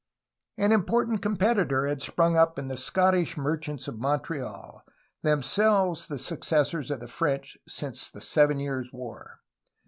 An important competitor had sprung up in the Scottish merchants of Montreal, themselves the successors of the French since the Seven Years' War.